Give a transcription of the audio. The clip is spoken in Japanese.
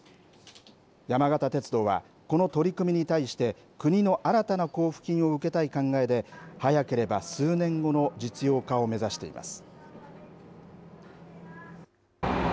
山形鉄道はこの取り組みに対して国の新たな交付金を受けたい考えで早ければ数年後の実用化を目指しています。